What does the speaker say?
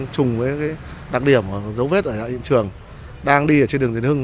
chùng với cái đặc điểm giấu vết ở hiện trường đang đi ở trên đường trần hưng